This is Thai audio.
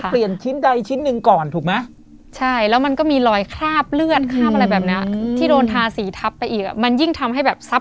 เอ้ยมันใช่หรือเปล่า